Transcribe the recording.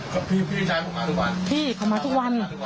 ครับค่ะพี่ชายเข้ามาทุกวัน